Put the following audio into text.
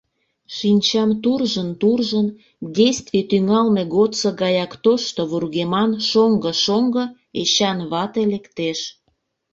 Шинчам туржын-туржын, действий тӱҥалме годсо гаяк тошто вургеман шоҥго-шоҥго Эчан вате лектеш.